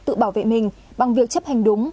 tự bảo vệ mình bằng việc chấp hành đúng